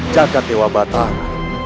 jaga dewa batara